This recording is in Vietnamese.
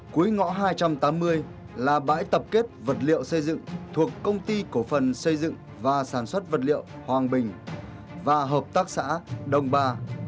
cuối ngõ hai trăm tám mươi là bãi tập kết vật liệu xây dựng thuộc công ty cổ phần xây dựng và sản xuất vật liệu hoàng bình và hợp tác xã đồng ba